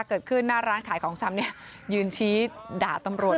เกิดขึ้นหน้าร้านขายของชำเนี่ยยืนชี้ด่าตำรวจ